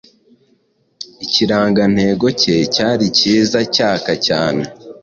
Ikirangantego cyari cyizacyaka cyane